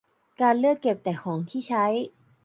การเลือกเก็บแต่ของที่ใช้